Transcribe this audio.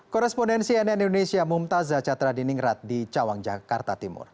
korespondensi nn indonesia mumtazah catra di ningrat di cawang jakarta timur